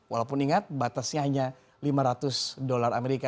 walaupun ingat batasnya hanya lima ratus dolar amerika